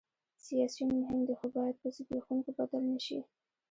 سیاسیون مهم دي خو باید په زبېښونکو بدل نه شي